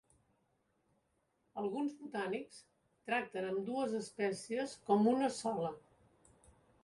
Alguns botànics tracten ambdues espècies com una sola.